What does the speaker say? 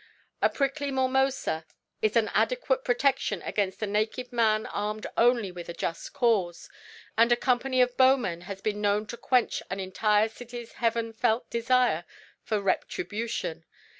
A prickly mormosa is an adequate protection against a naked man armed only with a just cause, and a company of bowmen has been known to quench an entire city's Heaven felt desire for retribution.